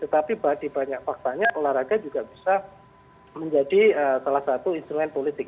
tetapi dibanyak paksanya olahraga juga bisa menjadi salah satu instrumen politik